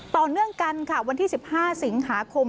ต่อเนื่องกันค่ะวันที่๑๕สิงหาคม